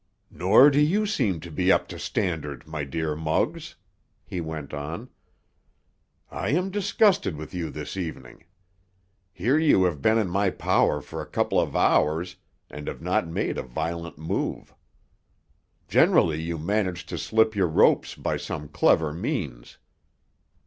"Nor do you seem to be up to standard, my dear Muggs," he went on. "I am disgusted with you this evening. Here you have been in my power for a couple of hours, and have not made a violent move. Generally you manage to slip your ropes by some clever means.